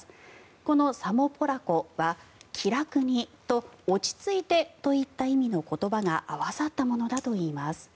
このサモ・ポラコは気楽にと落ち着いてといった意味の言葉が合わさったものだといいます。